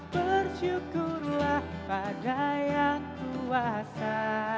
bersyukurlah pada yang kuasa